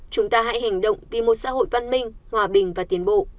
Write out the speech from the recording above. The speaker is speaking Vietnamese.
chúng ta hãy hành động vì một xã hội văn minh hòa bình và tiến bộ